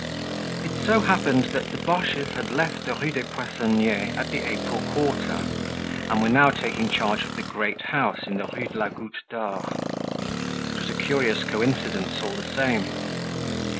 It so happened that the Boches had left the Rue des Poissonniers at the April quarter, and were now taking charge of the great house in the Rue de la Goutte d'Or. It was a curious coincidence, all the same!